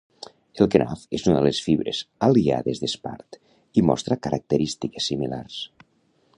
El kenaf és una de les fibres aliades d'espart i mostra característiques similars.